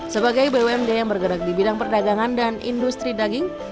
sebagai bumd yang bergerak di bidang perdagangan dan industri daging